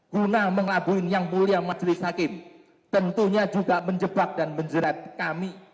guna mengelabuin yang mulia majelis hakim tentunya juga menjebak dan menjerat kami